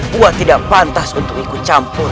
buah tidak pantas untuk ikut campur